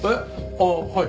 ああはい。